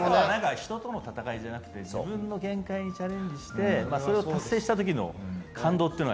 人との闘いじゃなくて自分の限界にチャレンジしてそれを達成した時の感動というのが。